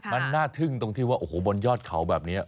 มันน่าทึ่งตรงที่ว่าโอ้โหบนยอดเขาแบบนี้